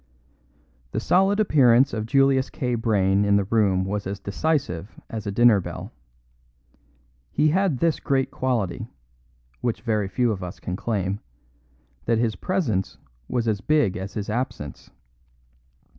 The solid appearance of Julius K. Brayne in the room was as decisive as a dinner bell. He had this great quality, which very few of us can claim, that his presence was as big as his absence.